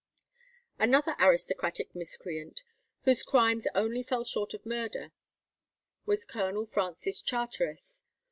Another aristocratic miscreant, whose crimes only fell short of murder, was Colonel Francis Charteris.